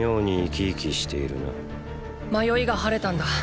迷いが晴れたんだ。